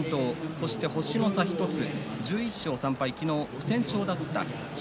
そして星の差１つ、１１勝３敗昨日、不戦勝だった霧